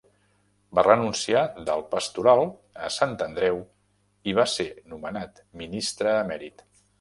Va renunciar del pastoral a Sant Andreu i va ser nomenat ministre emèrit.